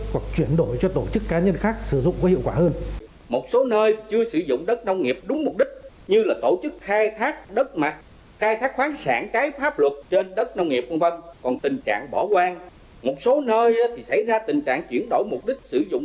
hoặc chuyển đổi cho tổ chức cá nhân khác sử dụng có hiệu quả hơn